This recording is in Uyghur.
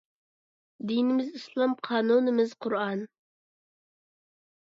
دىنىمىز ئىسلام قانۇنىمىز قۇرئان